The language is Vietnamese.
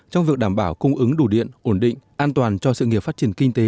trong việc đảm bảo cung ứng đủ điện ổn định an toàn cho sự nghiệp phát triển kinh tế